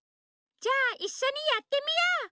じゃあいっしょにやってみよう！